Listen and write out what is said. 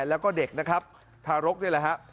แล้วก็เด็กนะครับทารกนี่แหละฮะ